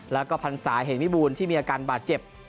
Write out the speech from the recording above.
แล้วก็พันศาเห็นวิบูรณ์ที่มีอาการบาดเจ็บ